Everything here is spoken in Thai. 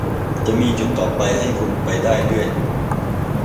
จะมีจุดต่อให้คุณไปได้เรื่อย